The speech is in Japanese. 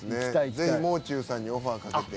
ぜひもう中さんにオファーかけて。